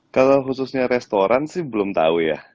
kalau khususnya restoran sih belum tahu ya